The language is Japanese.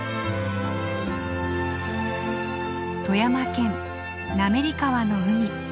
富山県滑川の海。